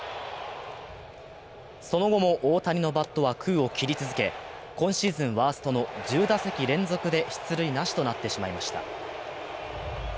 その後も大谷のバットは空を切り続け今シーズンワーストの１０打席連続で出塁なしとなってしまいました。